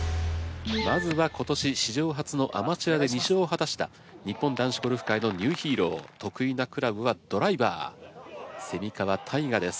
まずは今年史上初のアマチュアで２勝を果たした日本男子ゴルフ界のニューヒーロー得意なクラブはドライバー川泰果です。